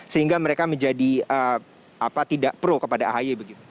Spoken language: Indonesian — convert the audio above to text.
sehingga mereka menjadi tidak pro kepada ahy begitu